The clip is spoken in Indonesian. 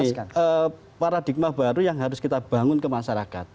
jadi gini paradigma baru yang harus kita bangun ke masyarakat